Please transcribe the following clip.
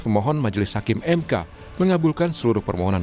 pemohon majelis hakim mk mengabulkan seluruh permohonan